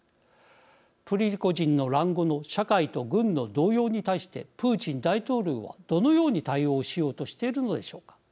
プリゴジンの乱後の社会と軍の動揺に対してプーチン大統領はどのように対応しようとしているのでしょうか。